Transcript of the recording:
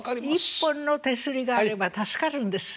１本の手すりがあれば助かるんです。